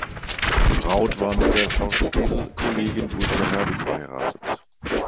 Braut war mit der Schauspiel-Kollegin Ursula Herwig verheiratet.